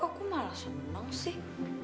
aku malah seneng sih